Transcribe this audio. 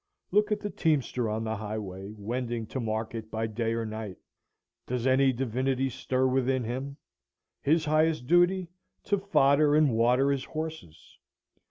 Look at the teamster on the highway, wending to market by day or night; does any divinity stir within him? His highest duty to fodder and water his horses!